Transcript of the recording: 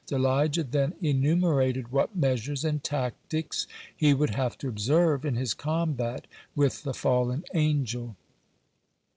Elijah then enumerated what measures and tactics he would have to observe in his combat with the fallen angel.